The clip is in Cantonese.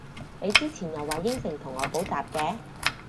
你之前又話應承同我補習嘅？